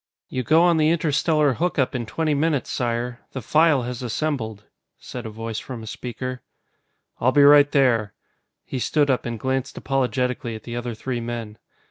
"You go on the interstellar hookup in twenty minutes, Sire. The File has assembled," said a voice from a speaker. "I'll be right there." He stood up and glanced apologetically at the other three men.